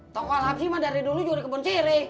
toko alhapsi mah dari dulu juga di kampung sirih